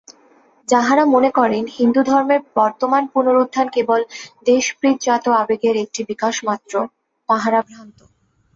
যাঁহারা মনে করেন হিন্দুধর্মের বর্তমান পুনরুত্থান কেবল দেশপ্রীতিজাত আবেগের একটি বিকাশমাত্র, তাঁহারা ভ্রান্ত।